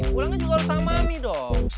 pulangnya juga harus sama mie dong